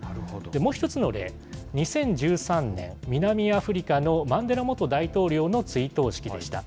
もう１つの例、２０１３年、南アフリカのマンデラ元大統領の追悼式でした。